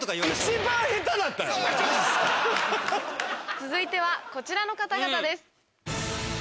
続いてはこちらの方々です。